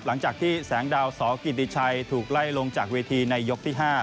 หลังจากที่แสงดาวสกิติชัยถูกไล่ลงจากเวทีในยกที่๕